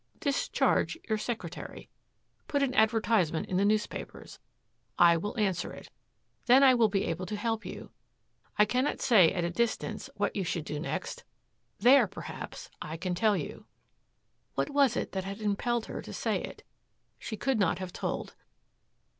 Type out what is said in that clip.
Discharge your secretary. Put an advertisement in the newspapers. I will answer it. Then I will be able to help you. I cannot say at a distance what you should do next. There, perhaps, I can tell you." What was it that had impelled her to say it? She could not have told.